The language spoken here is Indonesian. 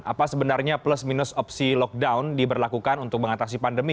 apa sebenarnya plus minus opsi lockdown diberlakukan untuk mengatasi pandemi